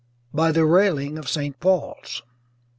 by the railing of St. Paul's.